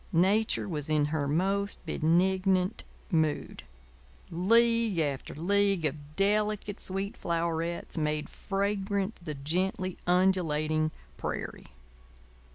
Nature was in her most benignant mood. League after league of delicate, sweet flowerets made fragrant the gently undulating prairie.